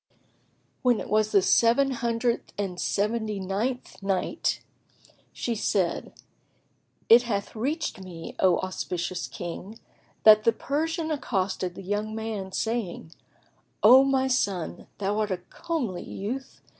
y. When it was the Seven Hundred and Seventy ninth Night, She said, It hath reached me, O auspicious King, that the Persian accosted the young man saying, "O my son, thou art a comely youth!